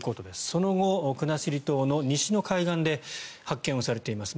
その後、国後島の西の海岸で発見をされています。